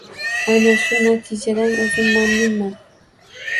Ana shu natijadan o‘zim mamnunman.